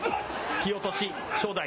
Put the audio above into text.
突き落とし、正代。